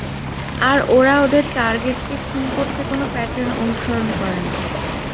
আর ওরা ওদের টার্গেটকে খুন করতে কোনো প্যাটার্ন অনুসরণ করে না।